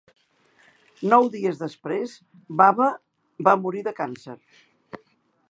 Nou dies després, Baba va morir de càncer.